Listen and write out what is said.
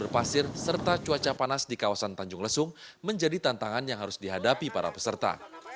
paca panas di kawasan tanjung lesung menjadi tantangan yang harus dihadapi para peserta